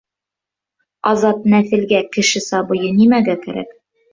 Азат Нәҫелгә кеше сабыйы нимәгә кәрәк?